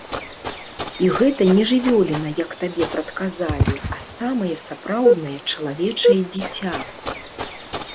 І гэта не жывёліна, як табе прадказалі, а самае сапраўднае чалавечае дзіця.